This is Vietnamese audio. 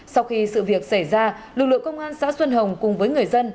sau khi sự việc xảy ra lực lượng công an xã xuân hồng cùng với người dân